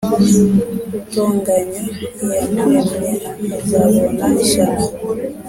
Utonganya Iyamuremye azabona ishyano.